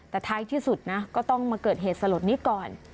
แต่ท้ายที่สุดนะก็ต้องมาเกิดเหตุสลดนี้ก่อน